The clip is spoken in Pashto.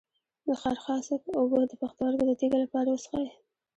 د خارخاسک اوبه د پښتورګو د تیږې لپاره وڅښئ